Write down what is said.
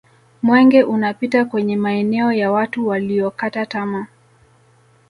mwenge unapita kwenye maeneo ya watu waliyokata tama